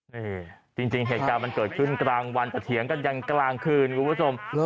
นี่จริงเหตุการณ์มันเกิดขึ้นกลางวันแต่เถียงกันยันกลางคืนคุณผู้ชม